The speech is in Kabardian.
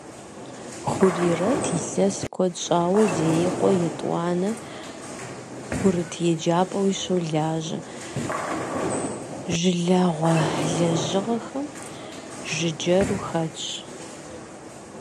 Хурирэт илъэс куэд щӏауэ Зеикъуэ етӏуанэ курыт еджапӏэи щолажьэ, жылагъуэ лэжьыгъэхэм жыджэру хэтщ.